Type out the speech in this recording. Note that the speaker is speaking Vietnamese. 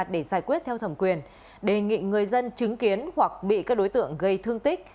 để giải quyết theo thẩm quyền đề nghị người dân chứng kiến hoặc bị các đối tượng gây thương tích